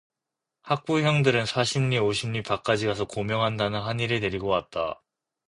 학부형들은 사십리 오십리 밖까지 가서 고명하다는 한의를 데리고 왔다.